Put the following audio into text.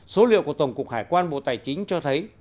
số liệu của tổng cục hải quan bộ tài chính cho thấy